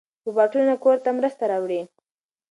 روباټونه کور ته مرسته راوړي.